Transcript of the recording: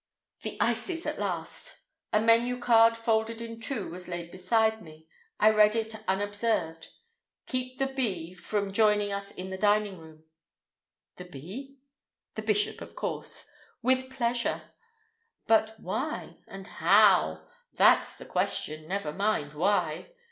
The ices at last. A menu card folded in two was laid beside me. I read it unobserved. "Keep the B. from joining us in the drawing room." The B.? The bishop, of course. With pleasure. But why? And how? That's the question, never mind "why."